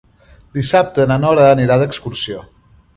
Dissabte na Nora anirà d'excursió.